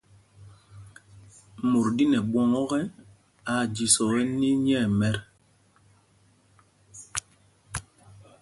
Mot ɗí nɛ ɓwɔŋ ɔ́kɛ, aa jīsɔɔ ɛni nyɛɛmɛt.